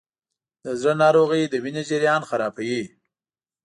د زړه ناروغۍ د وینې جریان خرابوي.